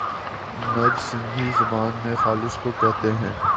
نج سندھی زبان میں خالص کوکہتے ہیں۔